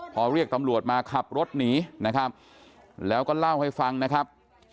พอเรียกตำรวจมาขับรถหนีนะครับแล้วก็เล่าให้ฟังนะครับ